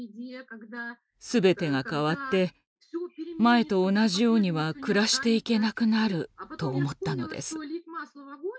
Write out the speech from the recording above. すべてが変わって前と同じようには暮らしていけなくなる」と思ったのです。